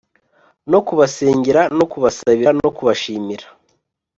no kubasengera no kubasabira no kubashimira,